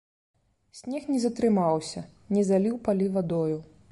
Снег не затрымаўся, не заліў палі вадою.